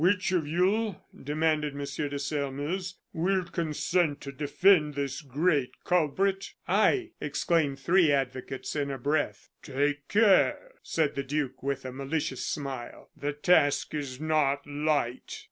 "Which of you," demanded M. de Sairmeuse, "will consent to defend this great culprit?" "I!" exclaimed three advocates, in a breath. "Take care," said the duke, with a malicious smile; "the task is not light."